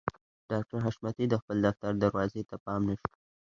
ډاکټر حشمتي د خپل دفتر دروازې ته پام نه شو